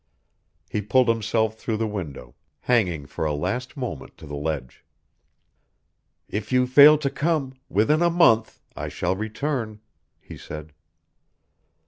He pulled himself through the window, hanging for a last moment to the ledge. "If you fail to come within a month I shall return," he said.